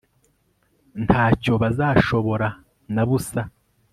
nta cyo bazashobora na busa